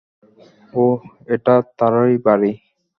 ওহ, এটা তারই বাড়ি।